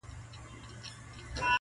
دا غزل مي رندانه او صوفیانه دی,